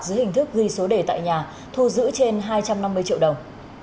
dưới hình thức ghi số đề tại nhà thu giữ trên hai trăm năm mươi triệu đồng